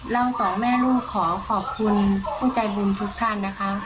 สองแม่ลูกขอขอบคุณผู้ใจบุญทุกท่านนะคะ